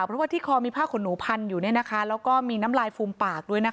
เพราะว่าที่คอมีผ้าขนหนูพันอยู่แล้วก็มีน้ำลายฟูมปากด้วยนะคะ